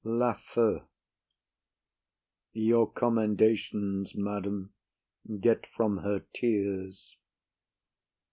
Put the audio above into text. LAFEW. Your commendations, madam, get from her tears.